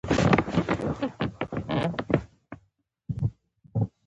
څه ښکالو شوه یو ناڅاپه ډز شو.